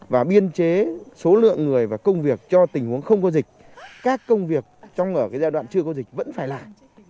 và biên chế số lượng người và công việc cho tình huống không có dịch các công việc trong ở giai đoạn chưa có dịch vẫn phải làm